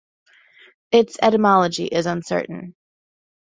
Its etymology is uncertain.